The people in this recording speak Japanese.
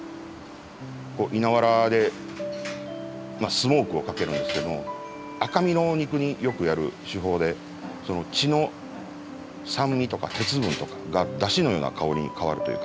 稲藁でスモークをかけるんですけども赤身のお肉によくやる手法で血の酸味とか鉄分とかが出汁のような香りに変わるというか。